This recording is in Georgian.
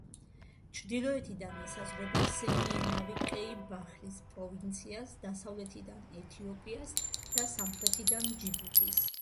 ჩრდილოეთიდან ესაზღვრება სემიენავი-კეი-ბაჰრის პროვინციას, დასავლეთიდან ეთიოპიას და სამხრეთიდან ჯიბუტის.